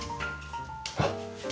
あっ！